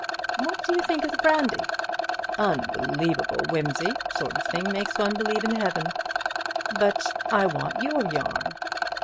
What do you think of the brandy?" "Unbelievable, Wimsey—sort of thing makes one believe in heaven. But I want your yarn."